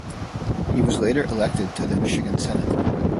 He was later elected to the Michigan Senate.